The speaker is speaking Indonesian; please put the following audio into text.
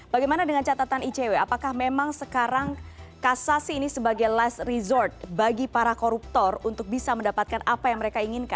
bagaimana dengan catatan icw apakah memang sekarang kasasi ini sebagai less resort bagi para koruptor untuk bisa mendapatkan apa yang mereka inginkan